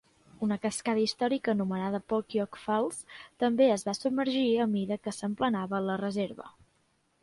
Una cascada històrica anomenada Pokiok Falls també es va submergir a mida que s"emplenava la reserva.